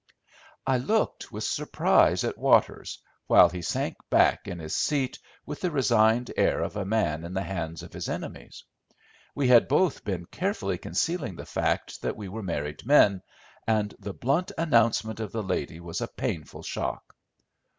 I looked with surprise at Waters, while he sank back in his seat with the resigned air of a man in the hands of his enemies. We had both been carefully concealing the fact that we were married men, and the blunt announcement of the lady was a painful shock.